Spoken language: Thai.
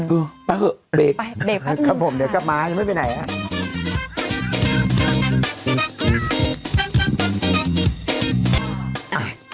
เออไปเหอะเบรกครับผมเดี๋ยวกลับมายังไม่ไปไหนอะไปเบรกนึงค่ะ